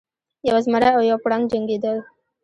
یو زمری او یو پړانګ جنګیدل.